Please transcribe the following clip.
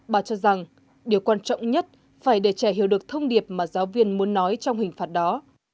bà cho rằng điều quan trọng nhất phải để trẻ hiểu được thông điệp mà giáo viên muốn nói trong hình phạt đó